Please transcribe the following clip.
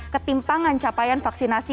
ketimpangan capaian vaksinasi